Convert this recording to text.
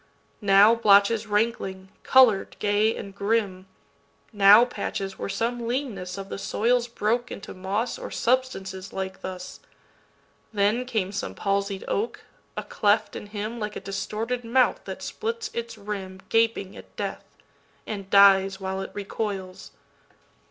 Now blotches rankling, color'd gay and grim, Now patches where some leanness of the soil'sBroke into moss or substances like thus; Then came some palsied oak, a cleft in himLike a distorted mouth that splits its rimGaping at death, and dies while it recoils.